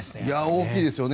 大きいですよね。